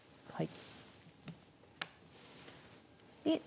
はい。